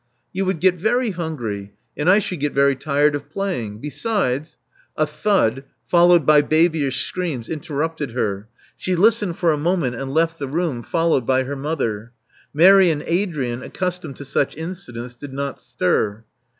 You would get very hungry. And I should get very tired of playing. Besides " A thud, followed by babyish screams, interrupted her. She listened for a moment, and left the room, followed by her mother. Mary and Adrian, accustomed to such incidents, did not stir.